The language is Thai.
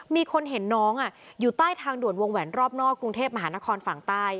มีคนเห็นน้องอยู่ใต้ทางด่วนวงแหวนรอบนอกกรุงเทพมหานครฝั่งใต้